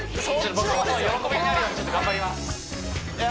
僕も喜びになるように頑張りますいや！